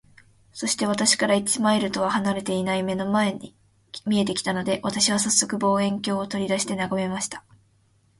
そして、私から一マイルとは離れていない眼の前に見えて来たのです。私はさっそく、望遠鏡を取り出して眺めました。